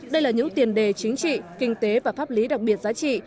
đây là những tiền đề chính trị kinh tế và pháp lý đặc biệt giá trị